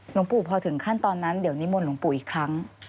หลวงปู่พอถึงขั้นตอนนั้นเดี๋ยวนิมนต์หลวงปู่อีกครั้ง